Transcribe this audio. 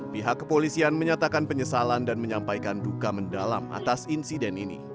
pihak kepolisian menyatakan penyesalan dan menyampaikan duka mendalam atas insiden ini